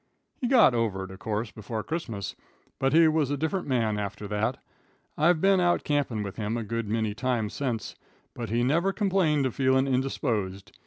"He got over it, of course, before Christmas, but he was a different man after that. I've been out campin' with him a good many times sence, but he never complained of feelin' indisposed.